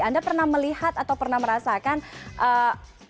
anda pernah melihat atau pernah merasakan apa yang terjadi sekarang